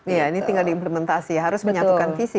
iya ini tinggal diimplementasi harus menyatukan visi